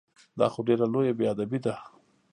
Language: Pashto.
دا خو ډېره لویه بې ادبي ده!